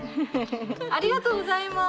ありがとうございます。